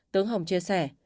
tướng hồng chia sẻ